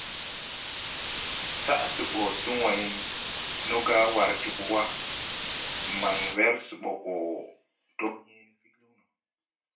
Saʼ se bɔ se wãy nɔga war jobo wa, man wɛr sɛ bɔ gɔ do hęęne figliwn no.